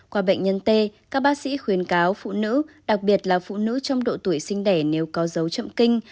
qua bệnh nhân t các bác sĩ khuyến cáo phụ nữ đặc biệt là phụ nữ trong độ tuổi sinh đẻ nếu có dấu chậm kinh